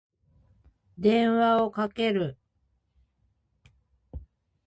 電話をかける。